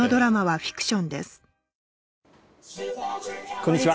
こんにちは。